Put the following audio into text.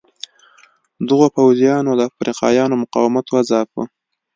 دغو پوځیانو د افریقایانو مقاومت وځاپه.